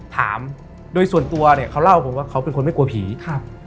ถามโดยส่วนตัวเนี่ยเขาเล่าผมว่าเขาเป็นคนไม่กลัวผีครับ